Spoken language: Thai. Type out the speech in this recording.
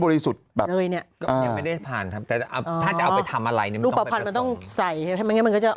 ไม่งั้นมันก็จะอ่อนใช่ไหม